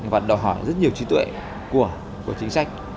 và đòi hỏi rất nhiều trí tuệ của chính sách